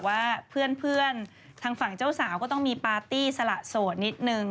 ว่าเพื่อนทางฝั่งเจ้าสาวก็ต้องมีปาร์ตี้สละโสดนิดนึง